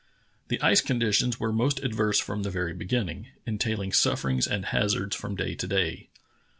The ice conditions were most adverse from the very beginning, entaihng sufferings and hazards from day to day.